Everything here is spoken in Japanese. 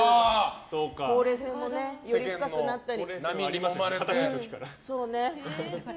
ほうれい線もより深くなったり。